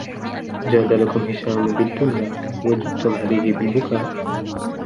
جَادَ لَكُمْ هِشَامٌ بِالدُّنْيَا وَجُدْتُمْ عَلَيْهِ بِالْبُكَاءِ